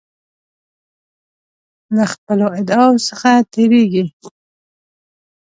له خپلو ادعاوو څخه تیریږي.